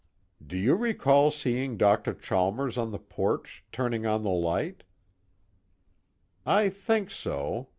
"Do you recall seeing Dr. Chalmers on the porch, turning on the light?" "I think so.